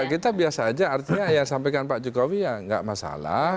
ya kita biasa aja artinya ya sampaikan pak jokowi ya nggak masalah